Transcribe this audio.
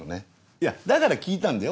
いやだから聞いたんだよ